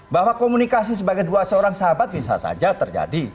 bahwa komunikasi sebagai dua seorang sahabat bisa saja terjadi